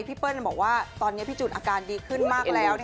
เปิ้ลบอกว่าตอนนี้พี่จุดอาการดีขึ้นมากแล้ว